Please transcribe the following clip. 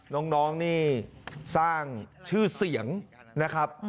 น้องนี่สร้างชื่อเสียงนะครับ